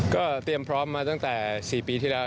ก็เตรียมพร้อมมาตั้งแต่๔ปีที่แล้ว